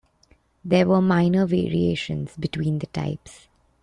There were minor variations between the types.